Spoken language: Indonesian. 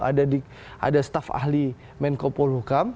ada di ada staf ahli menko polhukam